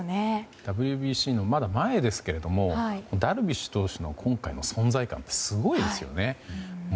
ＷＢＣの前ですけどもダルビッシュ投手の今回の存在感すごいですよね。